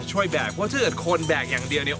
แบกเพราะถ้าเกิดคนแบกอย่างเดียวเนี่ย